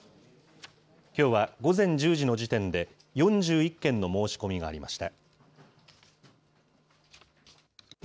きょうは午前１０時の時点で、４１件の申し込みがありました。